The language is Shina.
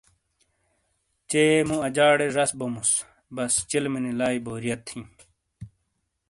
چے مو اجاڑے زش بوموس بس چلمے نی لائئ بوریت ہی